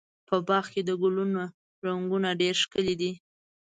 په باغ کې د ګلونو رنګونه ډېر ښکلي دي.